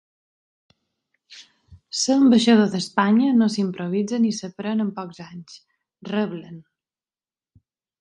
Ser ambaixador d’Espanya no s’improvisa ni s’aprèn en pocs anys, reblen.